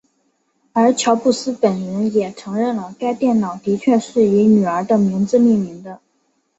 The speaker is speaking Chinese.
而乔布斯本人也承认了该电脑的确是以女儿的名字命名的。